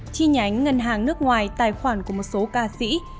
chi nhánh ngân hàng nước ngoài tài khoản của một số ca sĩ